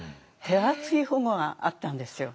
手厚い保護があったんですよ。